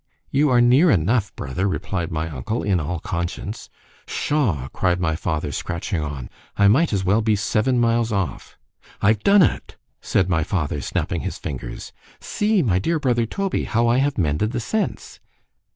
—You are near enough, brother, replied my uncle, in all conscience.——Pshaw! cried my father, scratching on——I might as well be seven miles off.—I've done it—said my father, snapping his fingers—See, my dear brother Toby, how I have mended the sense.